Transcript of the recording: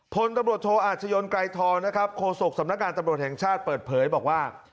พลตำรวจโทอาชญนไกรทองนะครับโฆษกสำนักงานตำรวจแห่งชาติเปิดเผยบอกว่า